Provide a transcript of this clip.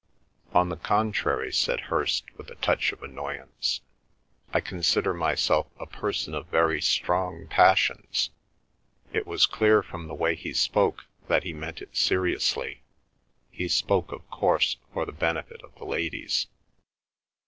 "On the contrary," said Hirst with a touch of annoyance, "I consider myself a person of very strong passions." It was clear from the way he spoke that he meant it seriously; he spoke of course for the benefit of the ladies.